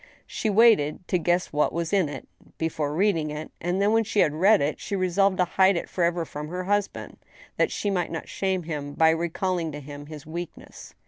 She wanted to guess what was in it before reading it, and then when she had read it she resolved to hide it forever from her hus band, that she might not shame him by recalling to him his weak ness.